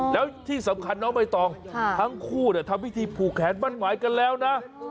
แล้วที่สำคัญน้องใบตองทั้งคู่ทำพิธีผูกแขนมั่นหมายกันแล้วนะ